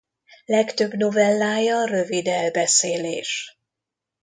Legtöbb novellája rövid elbeszélés.